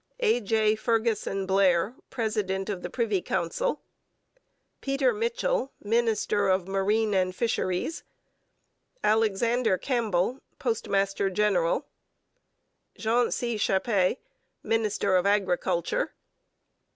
A. J. FERGUSSON BLAIR, President of the Privy Council. PETER MITCHELL, Minister of Marine and Fisheries. ALEXANDER CAMPBELL, Postmaster General. JEAN C. CHAPAIS, Minister of Agriculture.